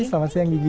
selamat siang gigi